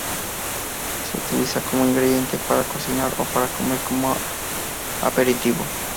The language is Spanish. Se utiliza como ingrediente para cocinar o para comer como aperitivo.